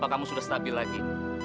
kamu sudah stabil lagi